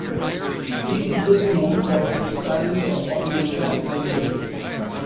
He is best known for his studies of Ottoman classical music.